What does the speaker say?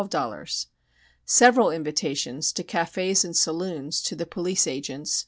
$12.00 Several invitations to cafés and saloons to the Police Agents